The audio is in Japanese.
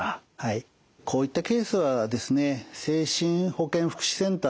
こういったケースはですね